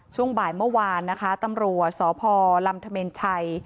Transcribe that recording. ช่วงบ่ายเมื่อวานนะคะตำรวจสพลำธเมนชัย